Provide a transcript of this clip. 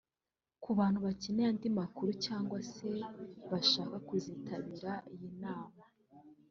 Ku bantu bakeneye andi makuru cyangwa se bashaka kuzitabira iyi nama